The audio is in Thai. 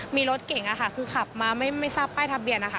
มีรถเก่งค่ะคือขับมาไม่ทราบป้ายทะเบียนนะคะ